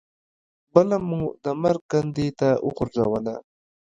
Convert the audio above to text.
بله مو د مرګ کندې ته وغورځوله.